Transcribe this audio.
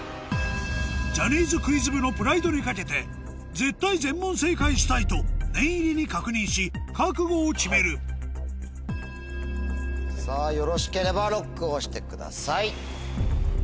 ジャニーズクイズ部のプライドに懸けて絶対全問正解したいと念入りに確認し覚悟を決めるさぁよろしければＬＯＣＫを押してください。